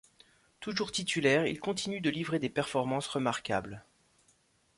Toujours titulaire, il continue de livrer des performances remarquables.